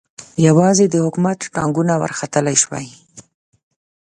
یوازې د حکومت ټانګونه ورختلای شوای.